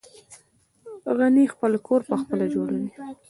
غڼې خپل کور پخپله جوړوي